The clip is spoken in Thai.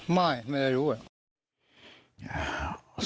กลับไปแต่ไม่รู้ใช่ไหมว่าเขาท้าทายอะไรกันไม่รู้